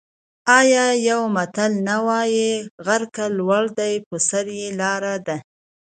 آیا یو متل نه وايي: غر که لوړ دی په سر یې لاره ده؟